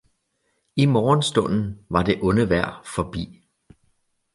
I morgenstunden var det onde vejr forbi